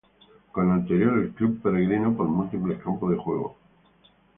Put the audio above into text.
Con anterior el club peregrinó por múltiples campos de juego.